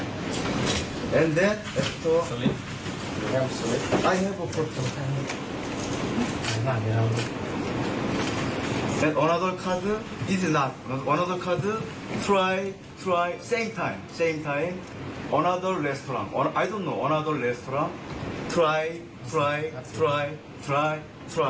ป้อนดูหายบุรีของคาร์ดอีกบุหรี่ของใจของเขา